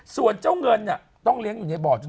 คือเก่งมาก